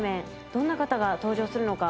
どんな方が登場するのか